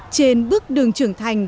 trên bước đường trưởng thành